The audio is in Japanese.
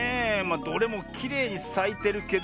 あどれもきれいにさいてるけど。